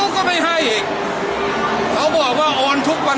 ก็ไม่ต้องขอจริงมือ